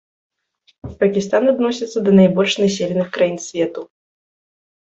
Пакістан адносіцца да найбольш населеных краін свету.